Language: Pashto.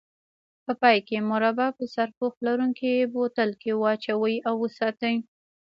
په پای کې مربا په سرپوښ لرونکي بوتل کې واچوئ او وساتئ.